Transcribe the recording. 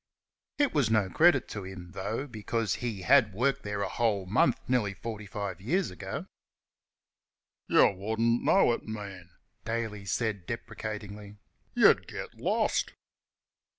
It was no credit to him, though, because he had worked there a whole month nearly forty five years before. "You wouldn't know it now, man," Daly said, deprecatingly, "you 'd get lost!"